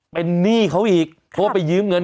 เป็นหนี้เขาอีกเพราะว่าไปยืมเงิน